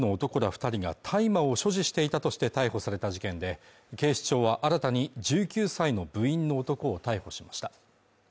二人が大麻を所持していたとして逮捕された事件で警視庁は新たに１９歳の部員の男を逮捕しました